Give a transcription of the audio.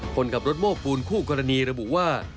คนขับรถโม้ปูนคู่กรณีระบุว่า